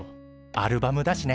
アルバムだしね。